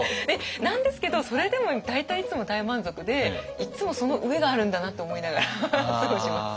なんですけどそれでも大体いつも大満足でいつもその上があるんだなって思いながら過ごします。